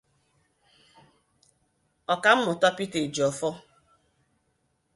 Ọkammụta Pita Ejiọfọ